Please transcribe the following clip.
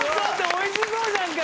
美味しそうじゃんか！